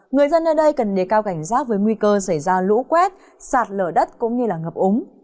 người dân ở đây cần đề cao cảnh giác với nguy cơ xảy ra lũ quét sạt lở đất cũng như ngập úng